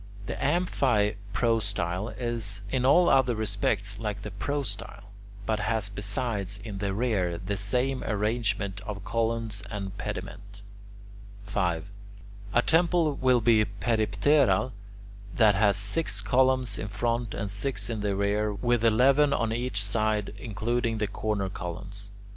The amphiprostyle is in all other respects like the prostyle, but has besides, in the rear, the same arrangement of columns and pediment. 5. A temple will be peripteral that has six columns in front and six in the rear, with eleven on each side including the corner columns.